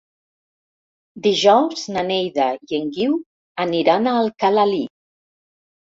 Dijous na Neida i en Guiu aniran a Alcalalí.